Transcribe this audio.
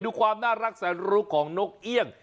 ดูความน่ารักแสนรู้ของนกเอี่ยง